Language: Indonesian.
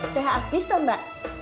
udah abis tuh mbak